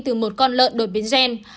từ một con lợn đột biến gen